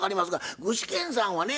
具志堅さんはね